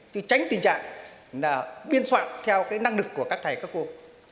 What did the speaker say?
chứ tránh tình trạng là biên soạn theo cái năng lực của các thầy các cô